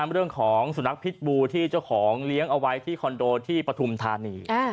เรื่องของสุนัขพิษบูที่เจ้าของเลี้ยงเอาไว้ที่คอนโดที่ปฐุมธานี